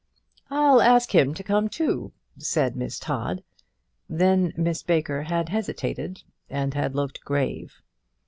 "I'll ask him to come, too," said Miss Todd. Then Miss Baker had hesitated, and had looked grave.